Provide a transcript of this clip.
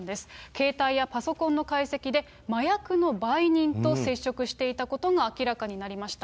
携帯やパソコンの解析で、麻薬の売人と接触していたことが明らかになりました。